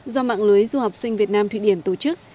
do mạng lưới du học sinh việt nam thụy điển tổ chức